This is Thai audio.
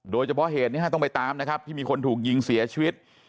โดยเฉพาะเหตุนี้ต้องไปตามนะครับที่มีคนถูกยิงเสียชีวิต